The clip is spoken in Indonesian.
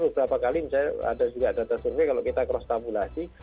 beberapa kali misalnya ada juga data survei kalau kita cross tabulasi